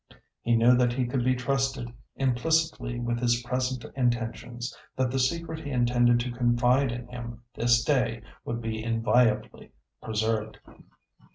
He knew that he could be trusted implicitly with his present intentions; that the secret he intended to confide in him this day would be inviolably preserved.